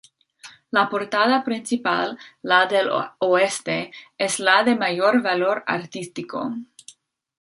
La portada principal, la del oeste, es la de mayor valor artístico.